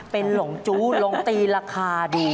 เป็นหลงจู้หลงตีราคาดี